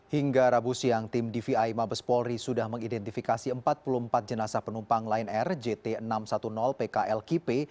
hingga rabu siang tim dvi mabes polri sudah mengidentifikasi empat puluh empat jenazah penumpang lion air jt enam ratus sepuluh pklkp